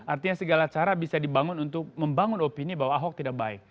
artinya segala cara bisa dibangun untuk membangun opini bahwa ahok tidak baik